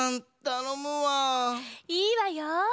いいわよ。